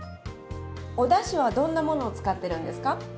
おだしはどんなものを使ってるんですか？